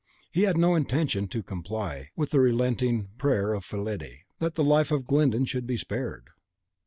He had no intention to comply with the relenting prayer of Fillide, that the life of Glyndon should be spared.